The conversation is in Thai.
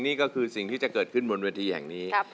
นี่ก็คือสิ่งที่จะเกิดขึ้นบนเวทีแห่งนี้